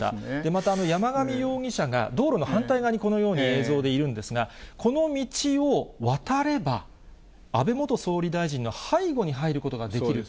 また山上容疑者が、道路の反対側にこのように映像でいるんですが、この道を渡れば、安倍元総理大臣の背後に入ることができる。